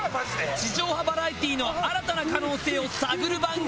地上波バラエティーの新たな可能性を探る番組。